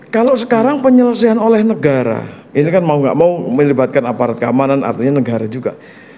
kalau sekarang penyelesaian oleh negara ini kan mau gak mau melibatkan aparat keamanan artinya negara juga